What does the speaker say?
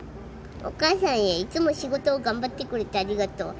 「お母さんへいつも仕事を頑張ってくれてありがとう」